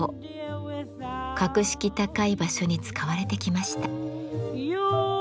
格式高い場所に使われてきました。